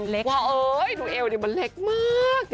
เล็กว่าเอ้ยดูเอวนี่มันเล็กมาก